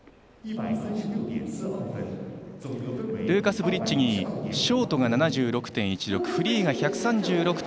ルーカス・ブリッチギーショートが７６．１６フリーが１３６．４２。